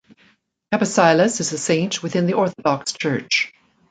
Kabasilas is a saint within the Orthodox Church.